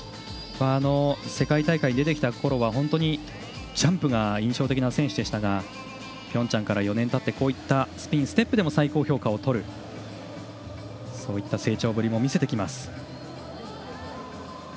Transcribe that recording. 世界大会に出てきたころはジャンプが印象的な選手でしたがピョンチャンから４年たってスピン、ステップでも最高評価を取る成長ぶりも見せてきています。